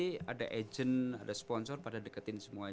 ada agent ada sponsor pada deketin semuanya